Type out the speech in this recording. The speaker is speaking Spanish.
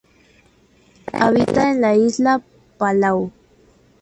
Habita en la isla Palau.